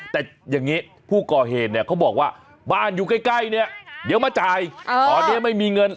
แต่อย่างนี้ผู้ก่อเหตุเนี่ยเขาบอกว่าบ้านอยู่ใกล้เนี่ยเดี๋ยวมาจ่ายตอนนี้ไม่มีเงิน